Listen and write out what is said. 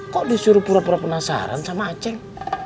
kok disuruh pura pura penasaran sama aceh